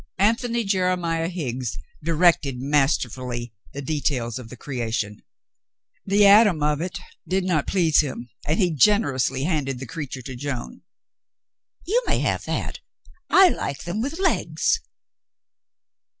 Antony Jeremiah Higgs directed masterfully the details of the creation. The Adam of it did not please him, and he generously handed the creature to Joan. "You may have that. I like them with legs."